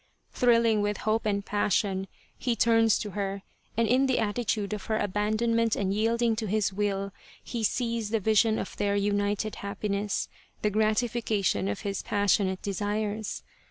Thrilling with hope and passion, he turns to her, and in the attitude of her abandonment and yielding to his will he sees the vision of their united happiness the gratification of his passionate desires.